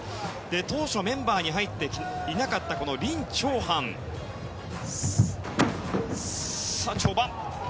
当初メンバーに入っていなかったリン・チョウハンの跳馬。